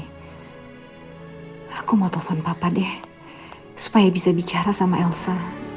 hai aku mau telepon papa deh supaya bisa bicara sama elsa